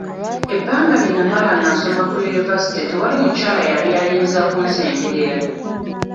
Ebbanga lye namala nga nsoma ku yunivasite tewali mukyala yali ayinza kunsemberera.